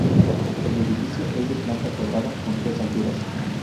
El edificio es de planta cuadrada con tres alturas.